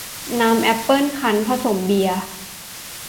น้ำแอปเปิ้ลคั้น ผสมเบียร์